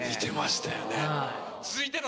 続いての。